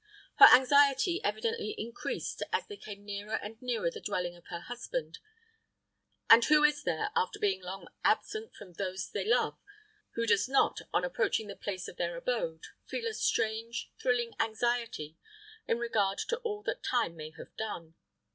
Her anxiety evidently increased as they came nearer and nearer the dwelling of her husband. And who is there, after being long absent from those they love, who does not, on approaching the place of their abode, feel a strange, thrilling anxiety in regard to all that time may have done?